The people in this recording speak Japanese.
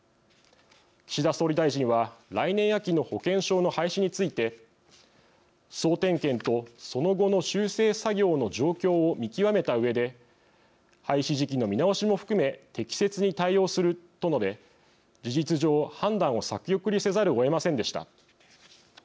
岸田総理大臣は来年秋の保険証の廃止について「総点検とその後の修正作業の状況を見極めたうえで廃止時期の見直しも含め適切に対応する」と述べ事実上、判断を先送りせざるをえませんでした。